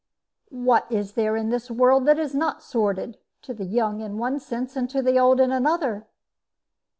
"What is there in this world that is not sordid to the young in one sense, and to the old in another?"